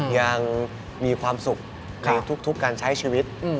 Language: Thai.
ยังมีความสุขในทุกการใช้ชีวิต